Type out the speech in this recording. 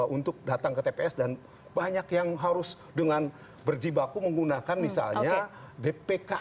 untuk datang ke tps dan banyak yang harus dengan berjibaku menggunakan misalnya dpk